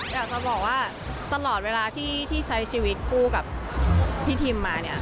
อยากจะบอกว่าตลอดเวลาที่ใช้ชีวิตคู่กับพี่ทิมมาเนี่ย